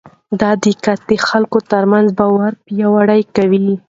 دا دقت د خلکو ترمنځ باور پیاوړی کوي.